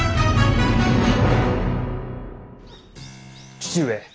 父上。